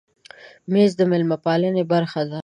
مېز د مېلمه پالنې برخه ده.